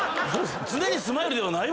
常にスマイルではないわ。